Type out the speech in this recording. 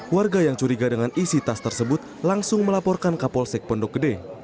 warga yang curiga dengan isi tas tersebut langsung melaporkan ke polsek pondok gede